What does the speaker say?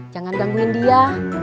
jangan gangguin dia